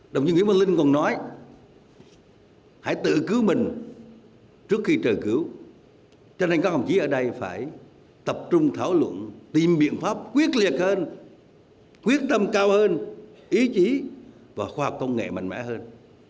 đồng chí nguyễn văn linh còn nói hãy tự cứu mình trước khi trời cứu cho nên các ông chí ở đây phải tập trung thảo luận tìm biện pháp quyết liệt hơn quyết tâm cao hơn ý chí và khoa học công nghệ mạnh mẽ hơn